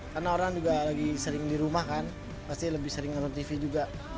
karena orang juga lagi sering di rumah kan pasti lebih sering nonton tv juga